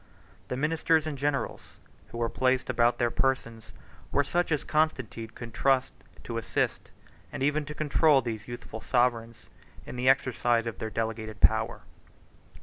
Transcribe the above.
The ministers and generals, who were placed about their persons, were such as Constantine could trust to assist, and even to control, these youthful sovereigns in the exercise of their delegated power.